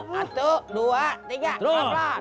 satu dua tiga tarik jack